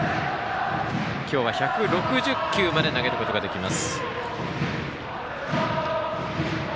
今日は１６０球まで投げることができます。